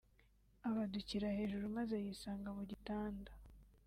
Abadukira hejuru maze yisanga mu gitanda